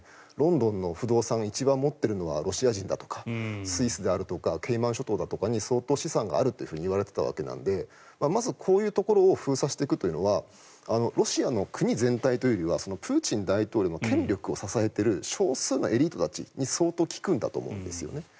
ロンドンの不動産を一番持っているのはロシア人だとかスイスであるとかケイマン諸島に相当、資産があるといわれていたわけなのでまず、こういうところを封鎖していくということはロシアの国全体というよりはプーチン大統領の権力を支えている少数のエリートたちに相当効くんだと思うんです。